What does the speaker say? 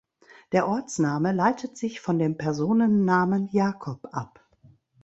Der Ortsname leitet sich von dem Personennamen Jakob ab.